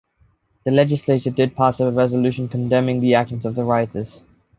The legislature did pass a resolution condemning the actions of the rioters.